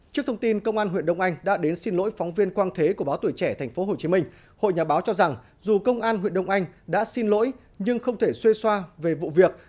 trước thông tin công an huyện đông anh đã đến xin lỗi phóng viên quang thế của báo tuổi trẻ thành phố hồ chí minh hội nhà báo cho rằng dù công an huyện đông anh đã xin lỗi nhưng không thể xuê xoa về vụ việc